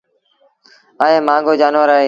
ائيٚݩ مهآݩگو جآݩور اهي